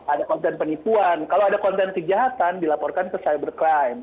ada konten penipuan kalau ada konten kejahatan dilaporkan ke cybercrime